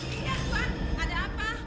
tidak tuhan ada apa